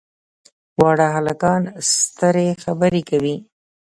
واړه هلکان سترې خبرې کوي.